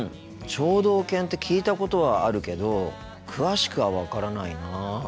聴導犬って聞いたことはあるけど詳しくは分からないな。